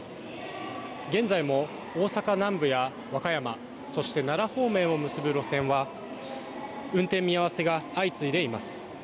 現在も大阪南部や和歌山そして奈良方面を結ぶ路線は運転見合わせが相次いでいます。